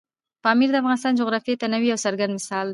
پامیر د افغانستان د جغرافیوي تنوع یو څرګند مثال دی.